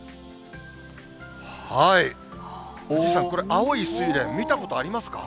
はい、藤井さん、これ青いスイレン、見たことありますか？